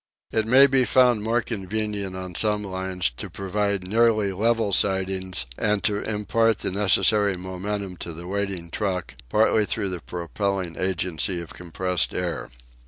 It may be found more convenient on some lines to provide nearly level sidings and to impart the necessary momentum to the waiting truck, partly through the propelling agency of compressed air.